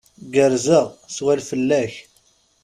Gerrzeɣ. Swal fell-ak.